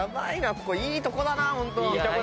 ここいいとこだなホント。